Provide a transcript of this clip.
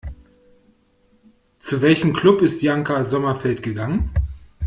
Zu welchem Club ist Janka Sommerfeld gegangen?